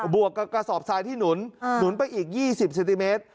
วกกับกระสอบทรายที่หนุนหนุนไปอีก๒๐เซนติเมตร